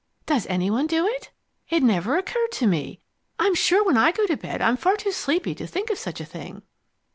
Does any one do it? It never occurred to me. I'm sure when I go to bed I'm far too sleepy to think of such a thing."